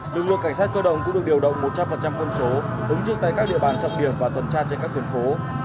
lực lượng cảnh sát cơ động cũng được điều động một trăm linh công số ứng trước tay các địa bàn trọng điểm và tuần tra trên các tuyển phố